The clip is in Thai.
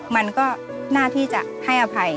มันก็น่าที่จะให้อภัย